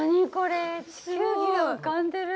地球儀が浮かんでる。